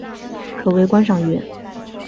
可为观赏鱼。